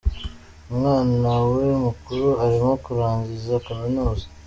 Umwana we mukuru arimo kurangiza kaminuza.